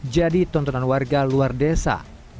jadi tontonan warga luar desa